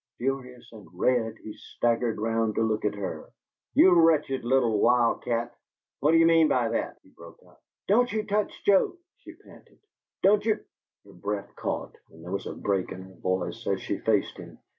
Furious and red, he staggered round to look at her. "You wretched little wild cat, what do you mean by that?" he broke out. "Don't you touch Joe!" she panted. "Don't you " Her breath caught and there was a break in her voice as she faced him.